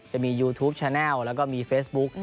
จะมียูทูปแชนแลลแล้วก็มีเฟซบุ๊ก